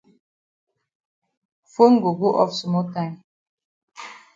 Fone go go off small time.